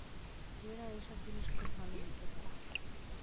মেয়েরা এইসব জিনিস খুব ভালো বুঝতে পারে।